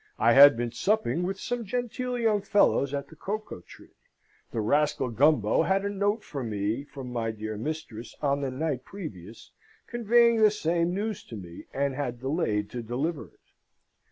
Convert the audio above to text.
I had been supping with some genteel young fellows at the Cocoa Tree. The rascal Gumbo had a note for me from my dear mistress on the night previous, conveying the same news to me, and had delayed to deliver it.